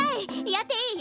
やっていい？